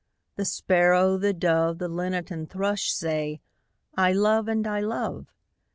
The Sparrow, the Dove, The Linnet and Thrush say, 'I love and I love!'